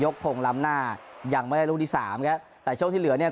ยกพงศ์ลำนาอย่างไม่ได้รู้ดีสามแล้วแต่โชคที่เหลือเนี่ย